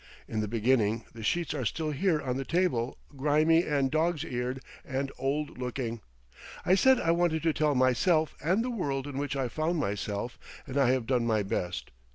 In the beginning—the sheets are still here on the table, grimy and dogs eared and old looking—I said I wanted to tell myself and the world in which I found myself, and I have done my best.